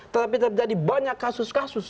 tetapi terjadi banyak kasus kasus